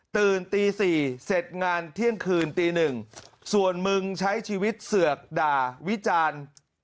ตื่นตี๔เสร็จงานเที่ยงคืนตีหนึ่งส่วนมึงใช้ชีวิตเสือกด่าวิจารณ์